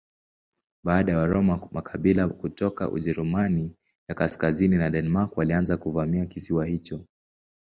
Baada ya Waroma makabila kutoka Ujerumani ya kaskazini na Denmark walianza kuvamia kisiwa hicho.